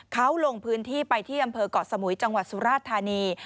เขาลงพื้นที่ไปที่อำเภอกเกาะสมุยจังหวัดสุราชธานี